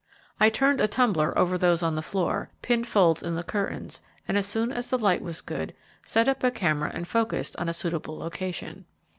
I turned a tumbler over those on the floor, pinned folds in the curtains, and as soon as the light was good, set up a camera and focused on a suitable location.